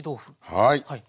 はい。